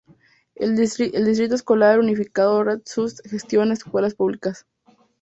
El Distrito Escolar Unificado Reef-Sunset gestiona escuelas públicas.